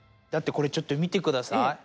だってこれちょっと見てください。